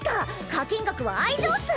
課金額は愛情っス。